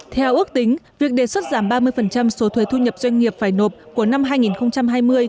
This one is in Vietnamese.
theo ước tính việc đề xuất giảm ba mươi số thuế thu nhập doanh nghiệp phải nộp của năm hai nghìn hai mươi